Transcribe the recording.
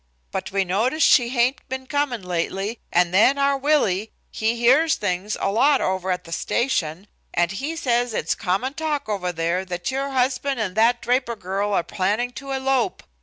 But we noticed she hain't been comin' lately, and then our Willie, he hears things a lot over at the station, and he says it's common talk over there that your husband and that Draper girl are planning to elope.